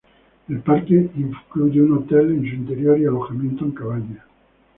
El parque incluye un hotel en su interior y alojamiento en cabañas.